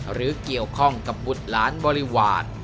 หรือเกี่ยวข้องกับบุตรล้านบริวาส